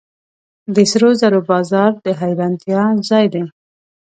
د سرو زرو بازار د حیرانتیا ځای دی.